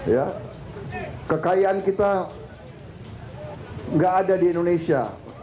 ya kekayaan kita nggak ada di indonesia